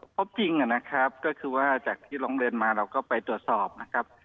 พบจริงนะครับก็คือว่าจากที่ร้องเรียนมาเราก็ไปตรวจสอบนะครับ